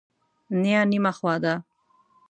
نیا نیمه خوا ده.